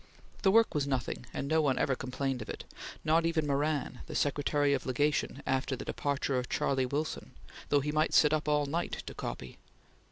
The work was nothing, and no one ever complained of it; not even Moran, the Secretary of Legation after the departure of Charley Wilson, though he might sit up all night to copy.